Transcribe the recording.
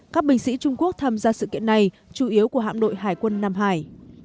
các binh sĩ trung quốc tham gia sự kiện này chủ yếu của hạm đội hải quân nam hải